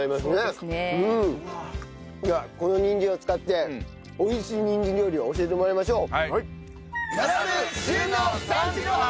このにんじんを使って美味しいにんじん料理を教えてもらいましょう！